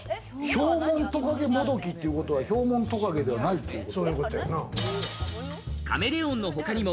ヒョウモントカゲモドキということは、ヒョウモントカゲモドキではないってこと。